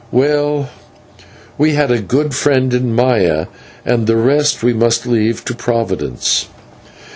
Well, we had a good friend in Maya, and the rest we must leave to Providence.